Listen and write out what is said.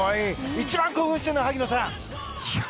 一番興奮しているのは萩野さん！